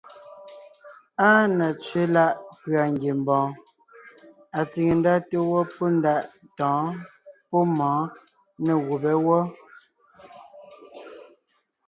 Áa na tsẅé láʼ pʉ̀a ngiembɔɔn atsìŋe ndá té gwɔ́ pɔ́ ndaʼ tɔ̌ɔn pɔ́ mɔ̌ɔn nê gùbé wɔ́.